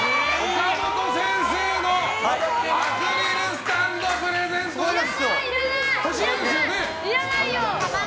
岡本先生のアクリルスタンドプレゼントです！